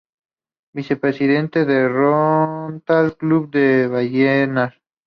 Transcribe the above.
Vicepresidente del Rotary Club de Vallenar.